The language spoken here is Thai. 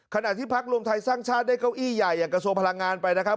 ขณะที่พักรวมไทยสร้างชาติได้เก้าอี้ใหญ่อย่างกระทรวงพลังงานไปนะครับ